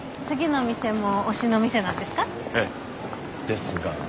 次の店も推しの店なんですか？